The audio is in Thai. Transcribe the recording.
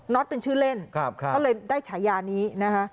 ็ตเป็นชื่อเล่นก็เลยได้ฉายานี้นะคะ